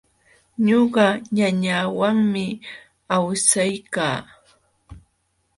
Ñuqa ñañawanmi awsaykaa.